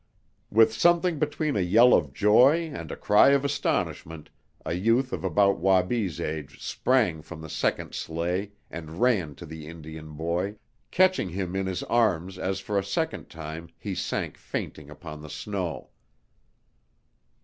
With something between a yell of joy and a cry of astonishment a youth of about Wabi's age sprang from the second sleigh and ran to the Indian boy, catching him in his arms as for a second time, he sank fainting upon the snow.